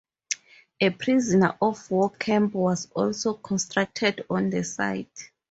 A prisoner of war camp was also constructed on the site.